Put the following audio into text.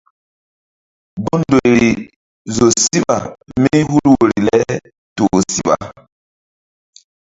Gun ndoyri zo síɓa mí hul woyri le toh ma siɓa.